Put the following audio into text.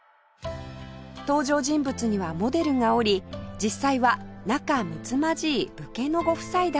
登場人物にはモデルがおり実際は仲むつまじい武家のご夫妻だったそうです